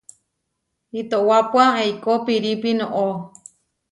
Iʼtowápua eikó piirípi noʼó.